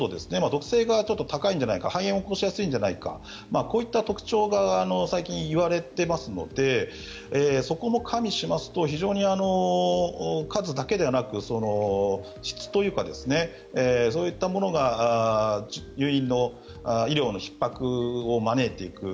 毒性が高いんじゃないか肺炎を起こしやすいんじゃないかこういった特徴が最近言われていますのでそこも加味しますと非常に数だけではなく質というかそういったものが入院の医療のひっ迫を招いていく。